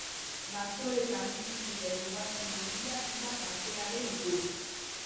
Basoetan bizi diren ugaztun handiak dira parkearen ikur.